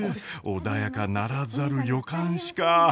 穏やかならざる予感しか。